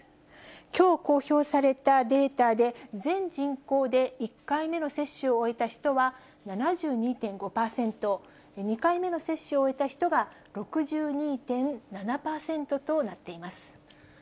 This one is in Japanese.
きょう公表されたデータで、全人口で１回目の接種を終えた人は７２．５％、２回目の接種を終えた人が６２．７％となっています。